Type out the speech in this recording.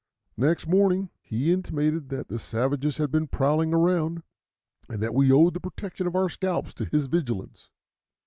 Next morning he intimated that the savages had been prowling about, and that we owed the protection of our scalps to his vigilance.